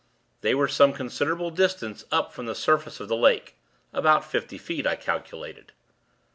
They were some considerable distance up from the surface of the lake about fifty feet, I calculated.